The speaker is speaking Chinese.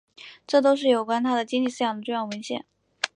这都是有关他的经济思想的重要文献。